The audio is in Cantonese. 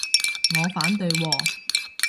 我反對喎